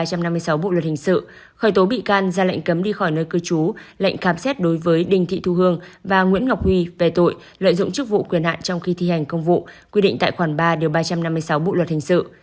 cơ quan cảnh sát điều tra bộ công an khởi tố bị can lệnh bắt bị can để tạm giam lệnh khám xét đối với đình thị thu hương và nguyễn ngọc huy về tội lợi dụng chức vụ quyền hạn trong khi thi hành công vụ quyết định tại khoảng ba ba trăm năm mươi sáu bộ luật hình sự